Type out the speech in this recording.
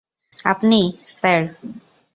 আপনি, স্যার।